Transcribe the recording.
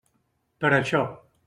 Per això.